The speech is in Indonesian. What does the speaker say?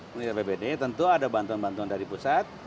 murni dari apbd tentu ada bantuan bantuan dari pusat